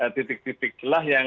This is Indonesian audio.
titik titik telah yang